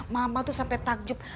mama tuh sampai takjub